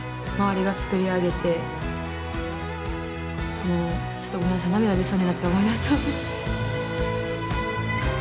そのちょっとごめんなさい涙出そうになっちゃう思い出すと。